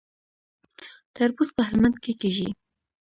تربوز په هلمند کې کیږي